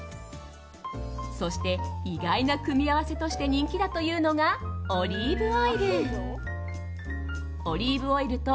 そして、意外な組み合わせとして人気だというのがオリーブオイル。